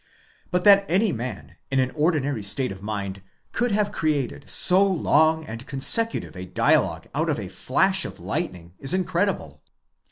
But that any man, in an ordinary state of mind, could have created so long and consecutive a dia logue out of a flash of lightning is incredible.